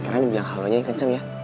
karena dia bilang halo nya kenceng ya